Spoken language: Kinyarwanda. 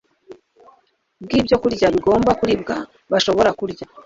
bwibyokurya bigomba kuribwa Bashobora kurya